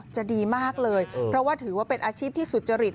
จะดีมากเลยเพราะว่าถือว่าเป็นอาชีพที่สุจริต